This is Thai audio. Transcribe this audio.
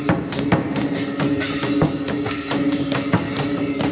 สวัสดีสวัสดี